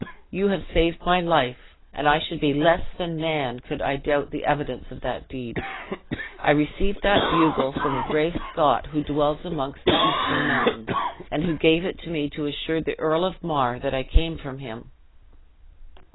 You have saved my life, and I should be less than man could I doubt the evidence of that deed. I received that bugle from a brave Scot who dwells amongst the eastern mountains; and who gave it to me to assure the Earl of Mar that I came from him."